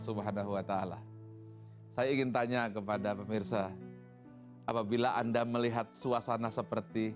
subhanahu wa ta'ala saya ingin tanya kepada pemirsa apabila anda melihat suasana seperti